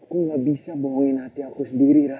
aku gak bisa bohongin hati aku sendiri